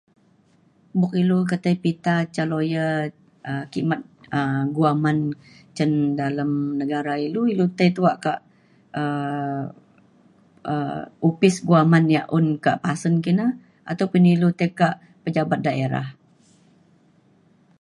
buk ilu ketai pita ca lawyer um kimet um guaman cin dalem negara ilu ilu tai tuwak ka um opis guaman ia' un ka pasen kina ataupun ilu tai ka pejabat daerah